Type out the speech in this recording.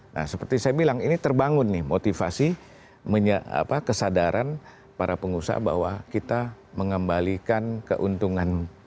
nah seperti saya bilang ini terbangun nih motivasi kesadaran para pengusaha bahwa kita mengembalikan keuntungan